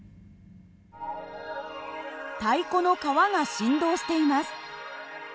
太鼓の革が振動しています。